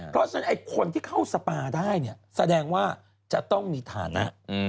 เพราะฉะนั้นไอ้คนที่เข้าสปาได้เนี่ยแสดงว่าจะต้องมีฐานะ